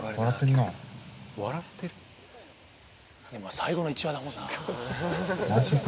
最後の１羽だもんな。